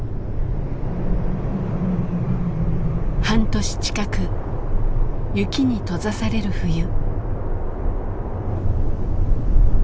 半年近く雪に閉ざされる冬。